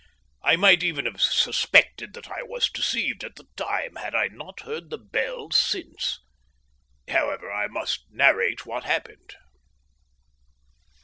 I might even have suspected that I was deceived at the time had I not heard the bell since. However, I must narrate what happened.